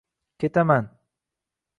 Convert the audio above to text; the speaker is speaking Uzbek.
Ketaman!